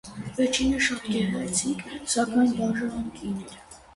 Վերջինս շատ գեղեցիկ, սակայն դաժան կին էր։